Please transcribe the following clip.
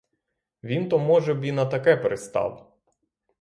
Він то може б і на таке пристав.